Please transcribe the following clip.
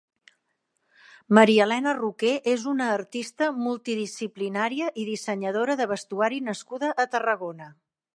Mariaelena Roqué és una artista multidisciplinària i dissenyadora de vestuari nascuda a Tarragona.